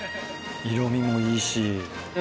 色みもいいし。